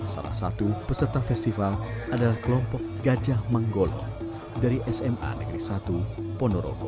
salah satu peserta festival adalah kelompok gajah manggolo dari sma negeri satu ponorogo